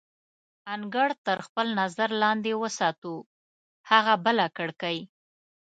انګړ تر خپل نظر لاندې وساتو، هغه بله کړکۍ.